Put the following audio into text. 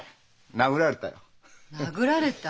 殴られた？